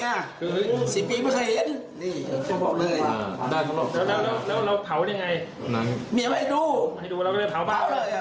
ให้ดูเราก็เรียกเผาป่ะ